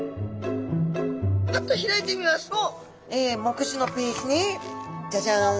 パッと開いてみますと目次のページにジャジャン。